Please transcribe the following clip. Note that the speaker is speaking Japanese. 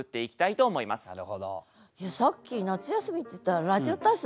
さっき夏休みっていったら「ラジオ体操」